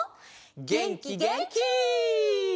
げんきげんき！